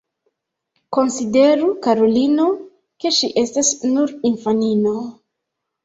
Konsideru, karulino, ke ŝi estas nur infanino.